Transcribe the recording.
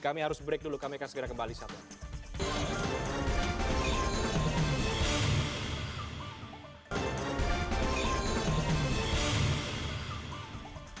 kami harus break dulu kami akan segera kembali saat lain